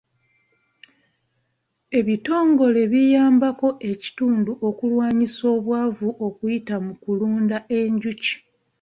Ebitongole biyambako ekitundu okulwanyisa obwavu okuyita mu kulunda enjuki.